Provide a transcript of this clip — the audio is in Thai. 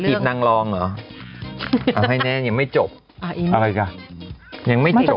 ไปกิดนางรองเหรอมาให้แน่ยังไม่จบอ่าอีกกะยังไม่จบ